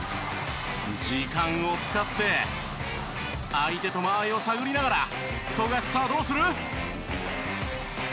時間を使って相手と間合いを探りながら富樫さあどうする？